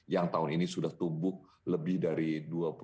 yang tahun ini sudah tumbuh lebih dari dua puluh